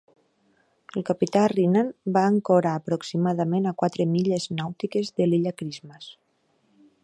El capità Rinnan va ancorar aproximadament a quatre milles nàutiques de l'illa Christmas.